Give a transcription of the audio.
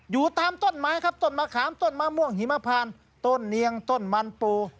อยู่ตามต้นไม้ครับต้นมะขามต้นมะม่วงหิมพานต้นเนียงต้นมันปู